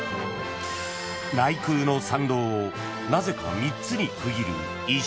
［内宮の参道をなぜか３つに区切る石の列］